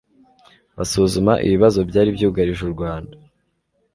basuzuma ibibazo byari byugarije u Rwanda,